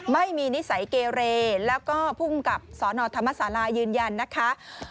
ไม่มีนิสัยเกเรแล้วก็ผู้กำกับสอนอธรรมศาลายืนยันนะคะ